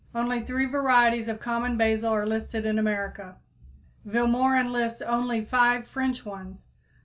Only three varieties of common basil are listed in America; Vilmorin lists only five French ones.